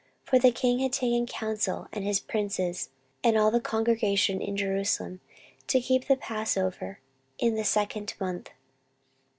14:030:002 For the king had taken counsel, and his princes, and all the congregation in Jerusalem, to keep the passover in the second month.